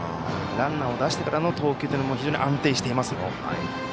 ランナーを出してからの投球も非常に安定しています。